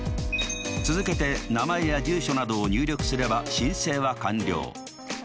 続けて名前や住所などを入力すれば申請は完了。